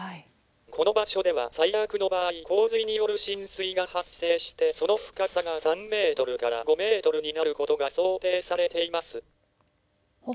「この場所では最悪の場合洪水による浸水が発生してその深さが３メートルから５メートルになることが想定されています。」